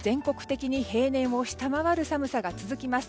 全国的に平年を下回る寒さが続きます。